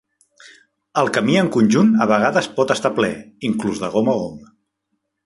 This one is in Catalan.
El camí en conjunt a vegades pot estar ple, inclús de gom a gom.